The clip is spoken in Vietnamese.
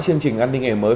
chương trình an ninh ẻ mới